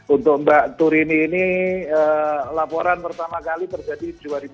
untuk mbak turini ini laporan pertama kali terjadi dua ribu dua puluh